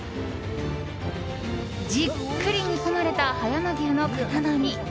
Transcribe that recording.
じっくり煮込まれた葉山牛の塊。